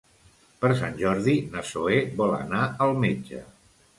Per Sant Jordi na Zoè vol anar al metge.